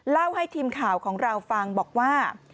เล่าให้ทีมข่าวของเราฟังบอกว่า